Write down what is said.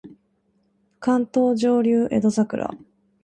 関東上流江戸桜